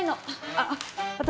あっ私